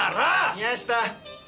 宮下。